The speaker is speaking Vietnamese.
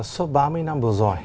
sau ba mươi năm vừa rồi